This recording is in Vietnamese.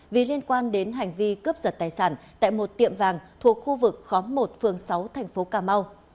vì liên quan đến hành vi cướp giật tài sản tại một tiệm vàng thuộc khu vực khóm một phường sáu thành phố cà mau